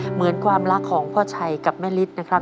เหมือนความรักของพ่อชัยกับแม่ฤทธิ์นะครับ